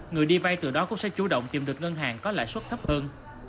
người đi vay từ đó cũng sẽ chủ động tìm được ngân hàng có lãi suất thấp hơn